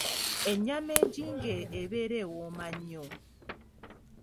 Ennyama engigge ebeera wooma nnyo.